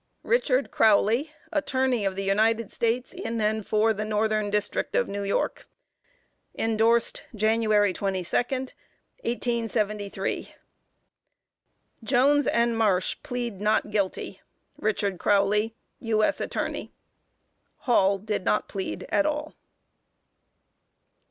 RICHARD CROWLEY, Attorney of the United States, in and for the Northern District of New York. (Endorsed.) January 22, 1873. Jones and Marsh plead not guilty. RICHARD CROWLEY, U.S. Attorney. Hall did not plead at all.